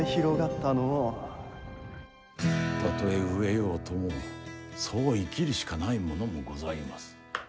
たとえ飢えようともそう生きるしかない者もございます。